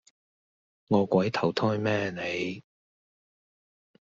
餓鬼投胎咩你